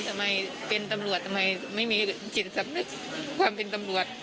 ทำไมเป็นตำรวจทำไมไม่มีจิตสำนึกความเป็นตำรวจ